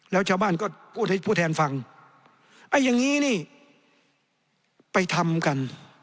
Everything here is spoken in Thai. แล้วชาวบ้านก็พูดให้ผู้แทนฟังไอ้อย่างนี้นี่ไปทำกัน